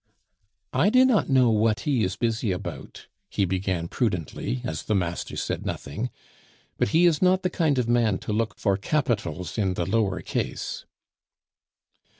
"I do not know what he is busy about," he began prudently, as the master said nothing, "but he is not the kind of man to look for capitals in the lower case!"